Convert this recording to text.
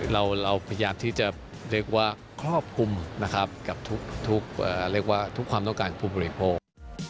เราพยายามที่จะเรียกว่าครอบคุมกับทุกความต้องการของผู้บริโภค